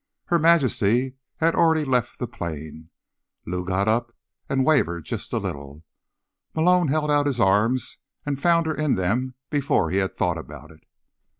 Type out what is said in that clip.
Her Majesty had already left the plane. Lou got up, and wavered just a little. Malone held out his arms, and found her in them before he had thought about it.